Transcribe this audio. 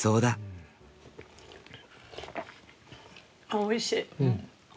あっおいしい。